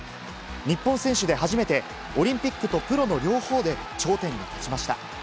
日本選手で初めて、オリンピックとプロの両方で頂点に立ちました。